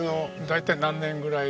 大体何年ぐらい？